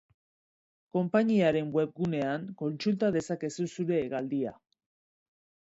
Konpainiaren webgunean kontsulta dezakezu zure hegaldia.